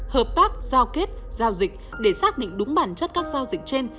hợp tác giao kết giao dịch để xác định đúng bản chất các giao dịch trên